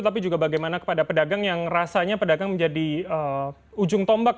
tapi juga bagaimana kepada pedagang yang rasanya pedagang menjadi ujung tombak